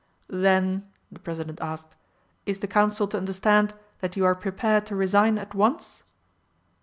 "Then," the President asked, "is the Council to understand that you are prepared to resign at once?"